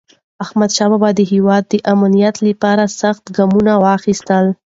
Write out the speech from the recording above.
احمدشاه بابا د هیواد د امنیت لپاره سخت ګامونه واخیستل.